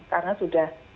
karena sudah muncul